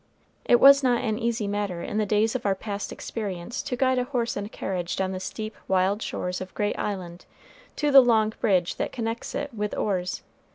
It was not an easy matter in the days of our past experience to guide a horse and carriage down the steep, wild shores of Great Island to the long bridge that connects it with Orr's.